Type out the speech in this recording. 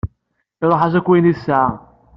Iruḥ-as akk wayen i tesɛa.